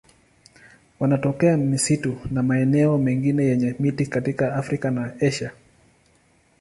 Wanatokea misitu na maeneo mengine yenye miti katika Afrika na Asia.